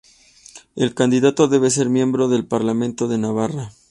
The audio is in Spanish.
El candidato debe ser miembro del Parlamento de Navarra.